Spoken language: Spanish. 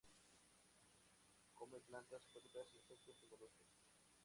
Come plantas acuáticas, insectos y moluscos.